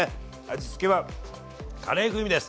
味付けはカレー風味です。